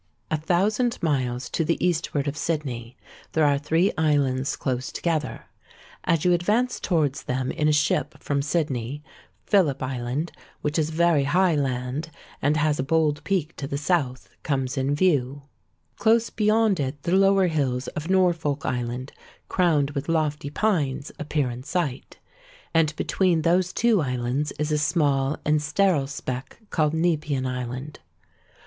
"A thousand miles to the eastward of Sydney there are three islands close together. As you advance towards them in a ship from Sydney, Philip Island, which is very high land, and has a bold peak to the south, comes in view: close beyond it the lower hills of Norfolk Island, crowned with lofty pines, appear in sight; and between those two islands is a small and sterile speck called Nepean Island.